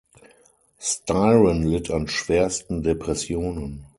Styron litt an schwersten Depressionen.